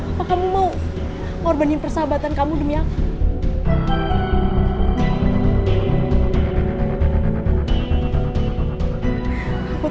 apa kamu mau ngorbanin persahabatan kamu demi aku